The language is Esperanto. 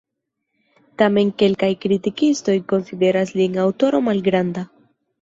Tamen kelkaj kritikistoj konsideras lin aŭtoro malgranda.